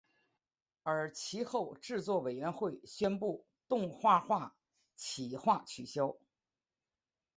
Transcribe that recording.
而其后制作委员会宣布动画化企划取消。